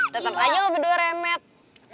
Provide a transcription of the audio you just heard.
tetep aja lu berdua remet